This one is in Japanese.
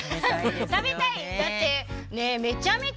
食べたい！